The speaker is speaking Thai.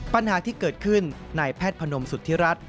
ปัญหาที่เกิดขึ้นนายแพทย์พนมสุธิรัฐ